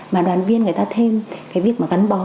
mà đoàn viên người ta thêm cái việc mà gắn bó